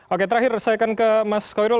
oke terakhir saya akan ke mas khoirul